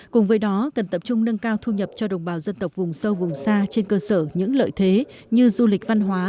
cùng với đó cần tập trung nâng cao thu nhập cho đồng bào dân tộc vùng sâu vùng xa trên cơ sở những lợi thế như du lịch văn hóa